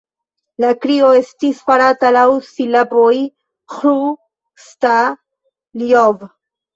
La krio estis farata laŭ silaboj: "Ĥru-Sta-ljov!